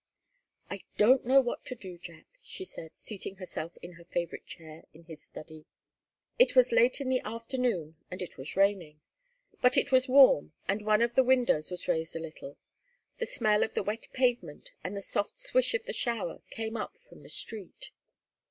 "I don't know what to do, Jack," she said, seating herself in her favourite chair in his study. It was late in the afternoon, and it was raining. But it was warm, and one of the windows was raised a little. The smell of the wet pavement and the soft swish of the shower came up from the street.